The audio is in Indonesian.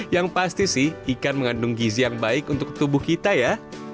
yang pasti sih ikan mengandung gizi yang baik untuk tubuh kita ya